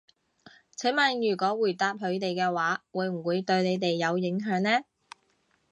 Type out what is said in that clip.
請問如果回答佢哋嘅話，會唔會對你哋有影響呢？